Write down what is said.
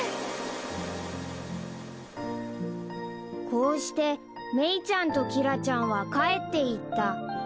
こうしてメイちゃんとキラちゃんは帰っていった